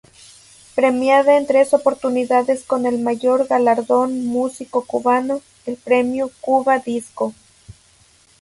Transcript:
Premiada en tres oportunidades con el mayor galardón músico cubano, el Premio Cuba Disco.